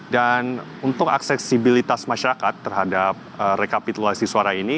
untuk aksesibilitas masyarakat terhadap rekapitulasi suara ini